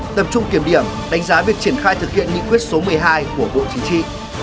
tập trung kiểm điểm đánh giá việc triển khai thực hiện nghị quyết số một mươi hai của bộ chính trị